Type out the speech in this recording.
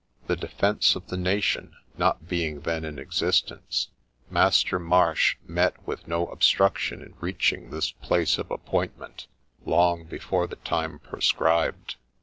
The ' defence of the nation ' not being then in existence, Master Marsh met with no obstruction in reaching this place of appointment long before the time prescribed.